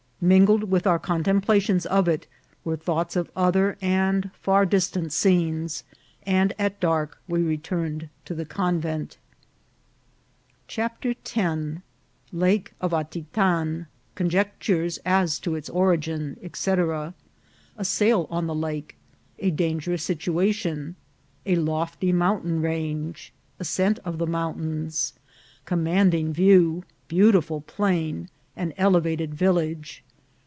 Mingled with our contemplations of it were thoughts of other and far distant scenes, and at dark we returned to the con vent. . LAKE OF ATITAN. 161 CHAPTER X. Lake of Atitan.— Conjectures as to its Origin, &c.— A Sail on the Lake.— A dan gerous Situation. — A lofty Mountain Range. — Ascent of the Mountains.— Com manding View.— Beautiful Plain. — An elevated Village.